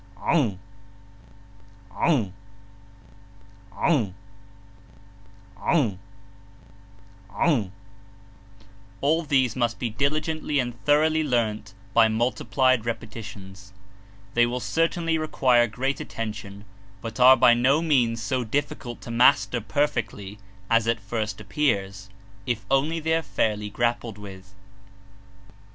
All these must be diligently and thoroughly learnt by multiplied repetitions. They will certainly require great attention, but are by no means bo difficult to master perfectly as at first appears, if only they are fairly grappled with.